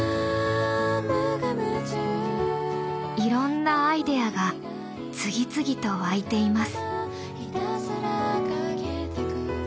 いろんなアイデアが次々と湧いています。